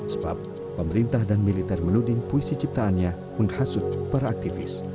sebab pemerintah dan militer menuding puisi ciptaannya menghasut para aktivis